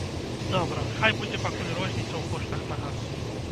Добра, хай будзе пакуль розніца ў коштах на газ.